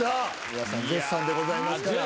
皆さん絶賛でございますから。